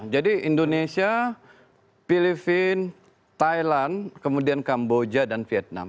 jadi indonesia pilipin thailand kemudian kamboja dan vietnam